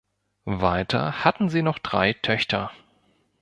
Weiter hatten sie noch drei Töchter.